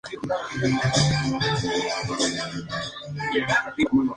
Facilita las actividades investigadoras de los científicos del país.